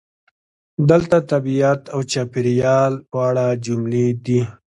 دلته د "طبیعت او چاپیریال" په اړه جملې دي: